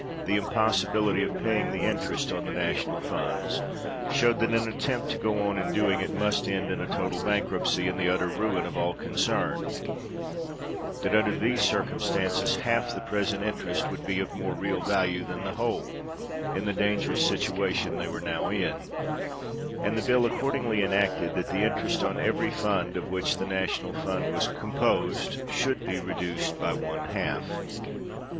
the impossibility of paying the interest on the national funds showed that an attempt to go on in doing it must end in a total bankruptcy, and the utter ruin of all concerned that under these circumstances half the present interest would be of more real value than the whole, in the dangerous situation they were now in ; and the bill accordingly enacted, that the interest on every fund of which the national fund was composed should be reduced one half.